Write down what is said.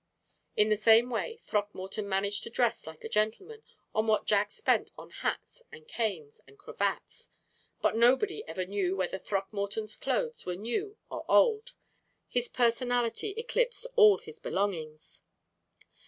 In the same way Throckmorton managed to dress like a gentleman on what Jack spent on hats and canes and cravats; but nobody ever knew whether Throckmorton's clothes were new or old. His personality eclipsed all his belongings.